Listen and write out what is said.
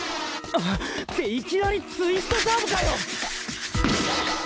あっっていきなりツイストサーブかよ！